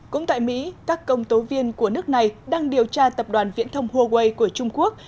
cũng tại mỹ các công tố viên của nước này đang điều tra tập đoàn viễn thông huawei của trung quốc